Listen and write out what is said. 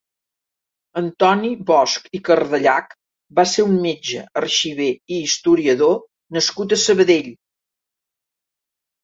Antoni Bosch i Cardellach va ser un metge, arxiver i historiador nascut a Sabadell.